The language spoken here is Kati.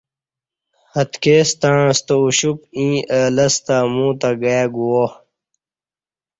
اتکی ستݩع ستہ اوشُپ ییں اہ لستہ ا مو تہ گائ گووا